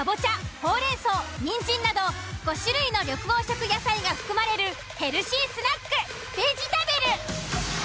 ほうれんそうにんじんなど５種類の緑黄色野菜が含まれるヘルシースナックベジたべる。